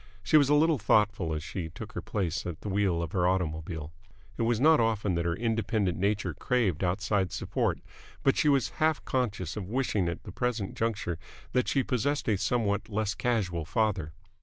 She was a little thoughtful as she took her place at the wheel of her automobile. It was not often that her independent nature craved outside support, but she was half conscious of wishing at the present juncture that she possessed a somewhat less casual father.